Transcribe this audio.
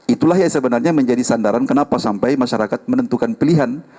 itulah yang sebenarnya menjadi sandaran kenapa sampai masyarakat menentukan pilihan